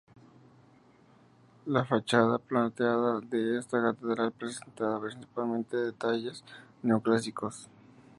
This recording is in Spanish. La fachada planteada de esta catedral presenta principalmente detalles neoclásicos.